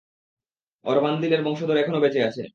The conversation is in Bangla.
অরভান্দিলের বংশধর এখনও বেঁচে আছে।